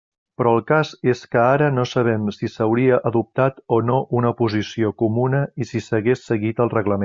Però el cas és que ara no sabem si s'hauria adoptat o no una posició comuna si s'hagués seguit el reglament.